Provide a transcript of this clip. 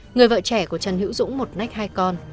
người vợ trẻ của trần hữu dũng một nách hai con